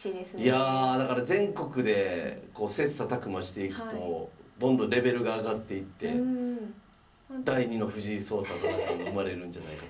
いやあだから全国で切磋琢磨していくとどんどんレベルが上がっていって第２の藤井聡太七冠が生まれるんじゃないかと。